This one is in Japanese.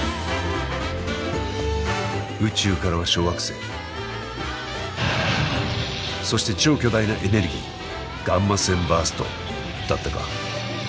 宇宙からは小惑星そして超巨大なエネルギーガンマ線バーストだったか？